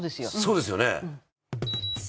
そうですよね？